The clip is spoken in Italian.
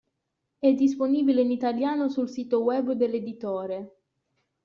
È disponibile in italiano sul sito web dell'editore.